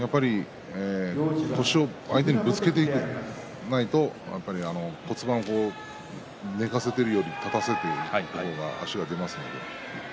腰を相手にぶつけていかないと骨盤を寝かせているより立たせている方が足が出ますから。